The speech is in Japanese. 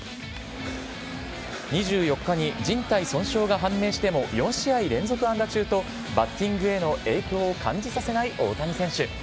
２４日に、じん帯損傷が判明しても、４試合連続安打中と、バッティングへの影響を感じさせない大谷選手。